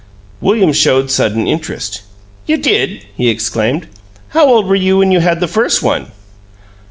William showed sudden interest. "You did!" he exclaimed. "How old were you when you had the first one?"